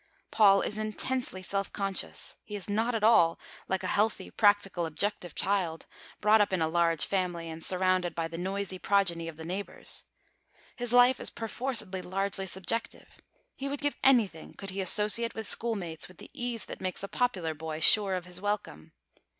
Paul is intensely self conscious. He is not at all like a healthy, practical, objective child, brought up in a large family, and surrounded by the noisy progeny of neighbours. His life is perforcedly largely subjective. He would give anything could he associate with schoolmates with the ease that makes a popular boy sure of his welcome.